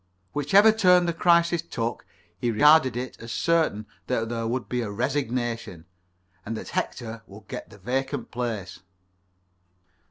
Whichever turn the crisis took, he regarded it as certain that there would be a resignation, and that Hector would get the vacant place.